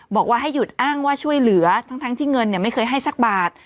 บอกว่าให้หยุดอ้างว่าช่วยเหลือทั้งที่เงินไม่เคยให้สักบาท